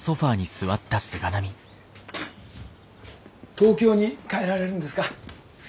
東京に帰られるんですか？